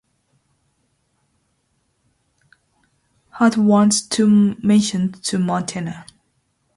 Hart owns two mansions in Montana.